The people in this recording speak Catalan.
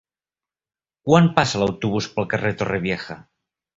Quan passa l'autobús pel carrer Torrevieja?